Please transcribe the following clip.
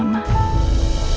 dan kita tetap bersama